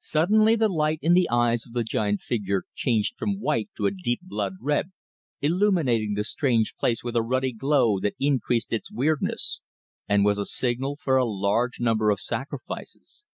Suddenly the light in the eyes of the giant figure changed from white to a deep blood red, illuminating the strange place with a ruddy glow that increased its weirdness, and was a signal for a large number of sacrifices.